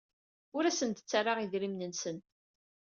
Ur asen-d-ttarraɣ idrimen-nsen.